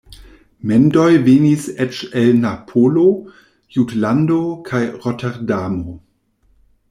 Mendoj venis eĉ el Napolo, Jutlando kaj Roterdamo.